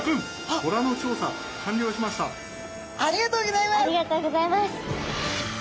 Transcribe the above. ありがとうございます。